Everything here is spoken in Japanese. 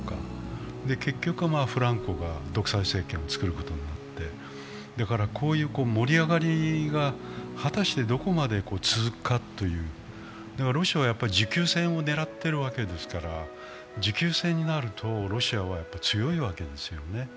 結局フランコが独裁政権をつくることになつてだからこういう盛り上がりが果たしてどこまで続くかという、ロシアは持久戦を狙っているわけですから、持久戦になるとロシアは強いわけですね。